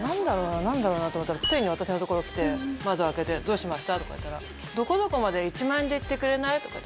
なんだろうな？」と思ったらついに私の所来て窓開けて「どうしました？」とか言ったら「どこどこまで１万円で行ってくれない？」とか言って。